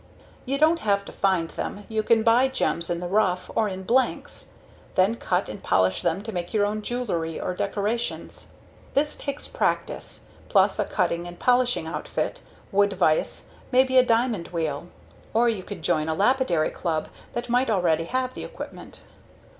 You don't have to find them. You can buy gems in the rough or in blanks, then cut and polish them to make your own jewelry or decorations. This takes practice, plus a cutting and polishing outfit, wood vise, maybe a diamond wheel. (Or you can join a lapidary club that might already have the equipment).